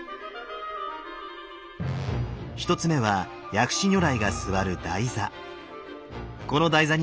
１つ目は薬師如来が座る台座。